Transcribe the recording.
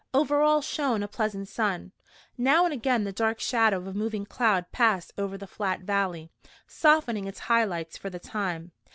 Over all shone a pleasant sun. Now and again the dark shadow of a moving cloud passed over the flat valley, softening its high lights for the time.